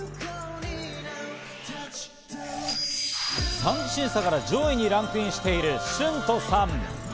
３次審査から上位にランクインしているシュントさん。